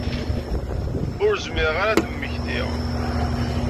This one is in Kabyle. Ur zmireɣ ara ad mmektiɣ.